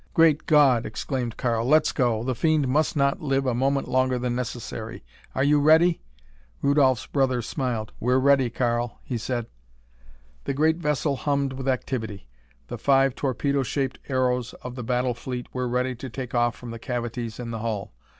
"Great God!" exclaimed Karl, "let's go! The fiend must not live a moment longer than necessary. Are you ready?" Rudolph's brother smiled. "We're ready Karl," he said. The great vessel hummed with activity. The five torpedo shaped aeros of the battle fleet were ready to take off from the cavities in the hull.